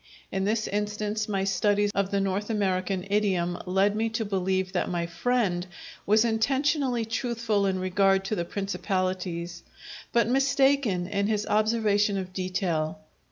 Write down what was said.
(In this instance my studies of the North American idiom lead me to believe that my friend was intentionally truthful in regard to the principalities, but mistaken in his observation of detail.)